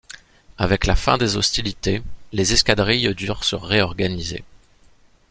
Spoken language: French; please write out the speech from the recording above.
Avec la fin des hostilités, les escadrilles durent se réorganiser.